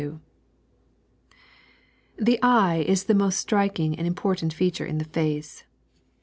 THE eye is the most striking and important feature in the face.